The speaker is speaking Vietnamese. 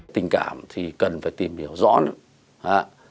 tình cảm thì cần phải tìm hiểu rõ nữa